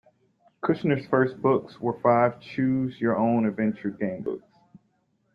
Kushner's first books were five Choose Your Own Adventure gamebooks.